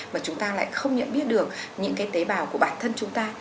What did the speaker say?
và chúng ta lại không nhận biết được những cái tế bào của bản thân chúng ta